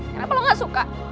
kenapa lo gak suka